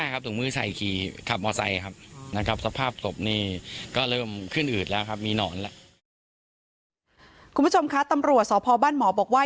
คุณผู้ชมคะตำรวจสพบ้านหมอบอกว่า